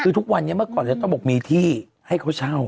คือทุกวันนี้เมื่อก่อนเราต้องบอกมีที่ให้เขาเช่า